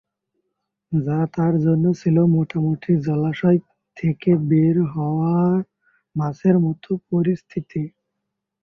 যা তার জন্য ছিল মোটামুটি জলাশয় থেকে বের হওয়া মাছের মতো পরিস্থিতি।